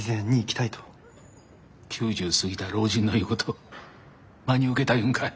９０過ぎた老人の言うことを真に受けたいうんか！